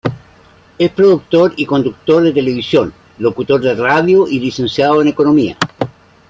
Es productor y conductor de televisión, locutor de radio y Licenciado en Economía.